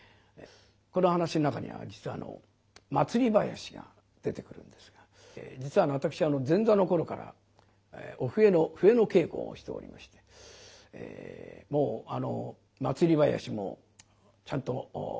この噺の中には実は祭り囃子が出てくるんですが実は私前座の頃からお笛の笛の稽古をしておりましてもう祭り囃子もちゃんと稽古をいたしました。